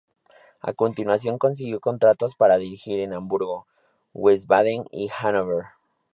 A continuación consiguió contratos para dirigir en Hamburgo, Wiesbaden y Hanover.